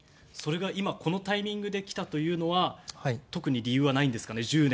これが今このタイミングできたのは特に理由はないんですかね。